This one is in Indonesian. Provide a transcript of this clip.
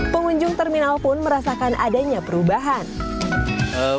pengunjung terminal pun merasakan adanya perubahan